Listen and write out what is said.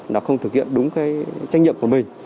là không thực hiện đúng trách nhiệm của mình